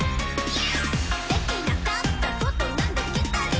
「できなかったことができたり」